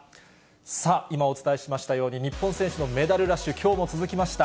さあ今、お伝えしましたように、日本選手のメダルラッシュ、きょうも続きました。